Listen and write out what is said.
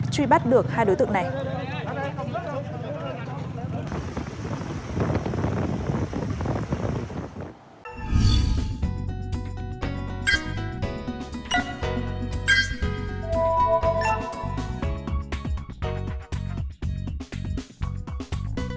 truy bắt được hai đối tượng này